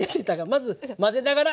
まず混ぜながら。